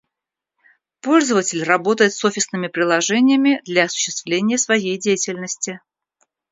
Пользователь работает с офисными приложениями для осуществления своей деятельности